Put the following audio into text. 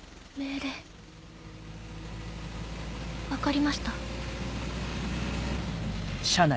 分かりました。